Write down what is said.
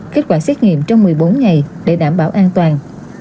kết quả xét nghiệm trong một mươi bốn ngày để đảm bảo an toàn